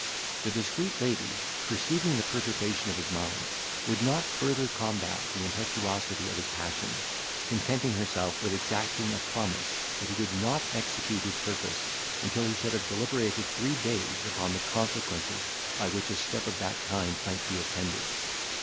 The discreet lady, perceiving the perturbation of his mind, would not further combat the impetuosity of his passion; contenting herself with exacting a promise, that he would not execute his purpose, until he should have deliberated three days upon the consequences by which a step of that kind might be attended.